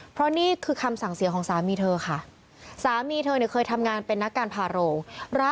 เพราะนี่คือคำสั่งเสียของสามีเธอค่ะ